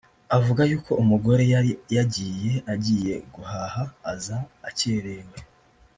avuga y’ uko umugore yari yagiye agiye guhaha aza akerewe